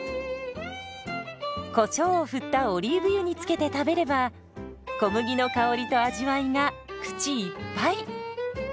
こしょうを振ったオリーブ油につけて食べれば小麦の香りと味わいが口いっぱい！